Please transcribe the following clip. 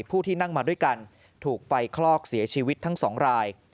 ผู้ที่นั่งมาด้วยกันถูกไฟคลอกเสียชีวิตทั้งสองราย